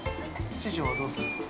師匠はどうするんですか。